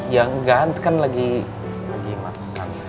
ya enggak kan lagi matang